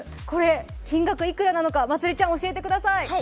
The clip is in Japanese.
これ、金額いくらなのか、まつりちゃん、教えてください。